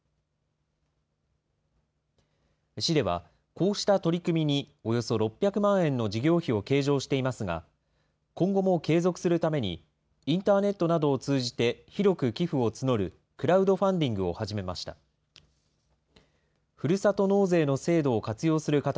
市では、こうした取り組みにおよそ６００万円の事業費を計上していますが、今後も継続するために、インターネットなどを通じて広く寄付を募るクラウドファンディングを始めました。